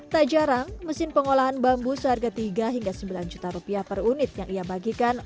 tak jarang mesin pengolahan bambu seharga tiga hingga sembilan juta rupiah per unit yang ia bagikan